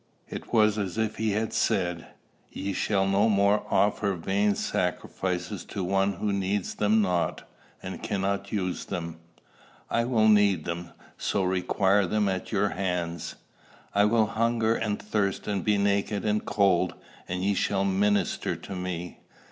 It was as if he had said, "Ye shall no more offer vain sacrifices to one who needs them not, and cannot use them. I will need them, so require them at your hands. I will hunger and thirst and be naked and cold, and ye shall minister to me.